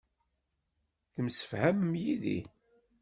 Temsefhamem yid-i.